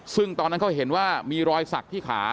ซึ่งตอนนั้นเขาเห็นว่ามีรอยสักที่ขา